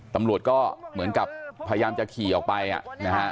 ตำรวจก็เหมือนกับพยายามจะขี่ออกไปนะฮะ